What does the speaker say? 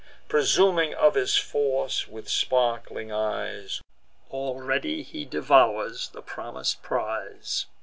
Presuming of his force, with sparkling eyes Already he devours the promis'd prize.